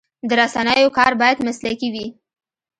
د رسنیو کار باید مسلکي وي.